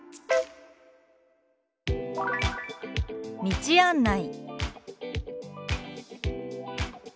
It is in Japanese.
「道案内」。